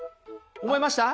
思いました？